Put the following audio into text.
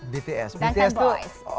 bts bts tuh